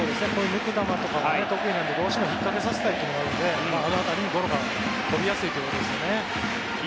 浮く球とか得意なのでどうしても引っ掛けさせたいのであの辺りにゴロが飛びやすいということですね。